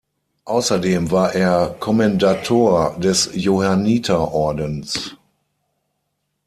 Außerdem war er Kommendator des Johanniterordens.